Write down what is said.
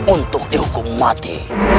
untuk dihukum mati